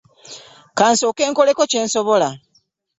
Ka nsooke nkoleko kye nsobola.